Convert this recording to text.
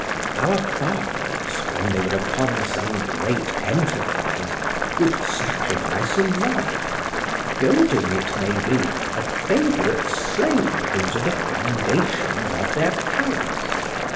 Our fathers, when they were upon some great enterprise, would sacrifice a life; building, it may be, a favourite slave into the foundations of their palace.